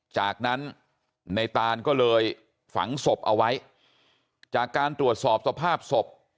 จากนั้นในตานก็เลยฝังศพเอาไว้จากการตรวจสอบสภาพศพ